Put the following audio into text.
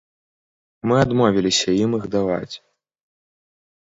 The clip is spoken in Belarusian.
Мы адмовіліся ім іх даваць.